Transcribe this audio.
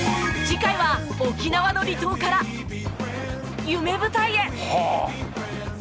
次回は沖縄の離島から夢舞台へ！